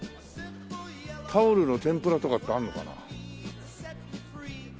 タオルの天ぷらとかってあるのかな。